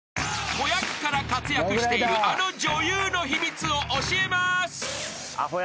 ［子役から活躍しているあの女優の秘密を教えます］